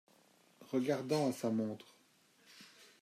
Regardant à sa montre.